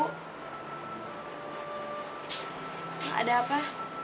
gak ada apa